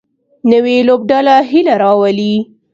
نوې لوبډله هیله راولي